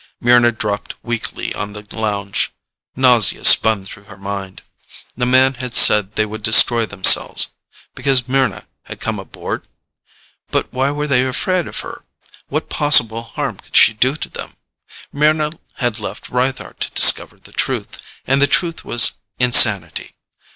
Mryna dropped weakly on the lounge. Nausea spun through her mind. The man had said they would destroy themselves. Because Mryna had come aboard? But why were they afraid of her? What possible harm could she do them? Mryna had left Rythar to discover the truth, and the truth was insanity.